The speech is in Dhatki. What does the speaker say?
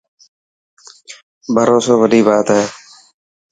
ڀروسو وڏي بات هي.